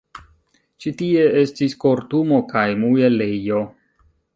Ĉi tie estis kortumo kaj muelejo.